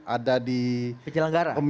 ada di penyelenggara